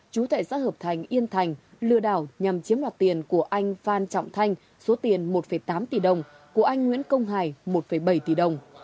chú tại xã hợp thành yên thành lừa đảo nhằm chiếm đoạt tiền của anh phan trọng thanh số tiền một tám tỷ đồng của anh nguyễn công hải một bảy tỷ đồng